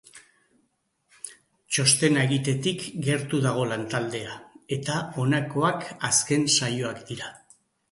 Txostena egitetik gertu dago lantaldea, eta honakoak azken saioak dira.